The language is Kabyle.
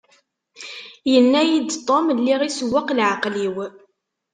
Yenna-yi-d Tom lliɣ isewweq leεqel-iw.